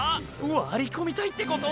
「割り込みたいってこと？」